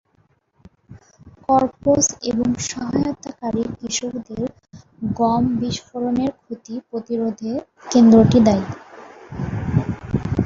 Corps এবং সহায়তাকারী কৃষকদের গম বিস্ফোরণের ক্ষতি প্রতিরোধে কেন্দ্রটি দায়ী।